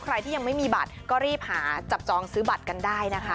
ใครที่ยังไม่มีบัตรก็รีบหาจับจองซื้อบัตรกันได้นะคะ